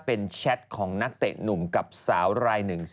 เป็นแชทของนักเตะหนุ่มกับสาวรายหนึ่ง